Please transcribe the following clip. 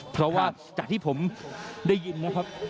เพราะว่าจากที่ผมได้ยินนะครับ